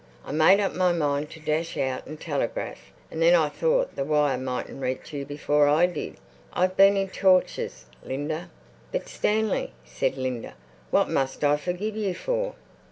I made up my mind to dash out and telegraph, and then I thought the wire mightn't reach you before I did. I've been in tortures, Linda." "But, Stanley," said Linda, "what must I forgive you for?"